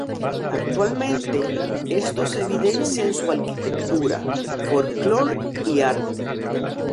Actualmente, esto se evidencia en su arquitectura, folclore y arte.